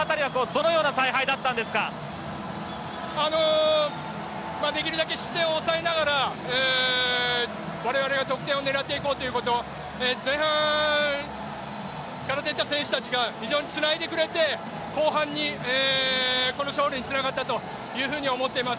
そのあたりはできるだけ失点を抑えながらわれわれが得点を狙っていこうということ前半から出た選手たちが非常につないでくれて後半にこの勝利につながったというふうに思っています。